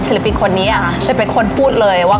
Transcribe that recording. ปินคนนี้จะเป็นคนพูดเลยว่า